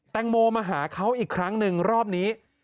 แตงโมมาหาเขาอีกครั้งหนึ่งรอบนี้